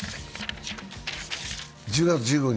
１０月１５日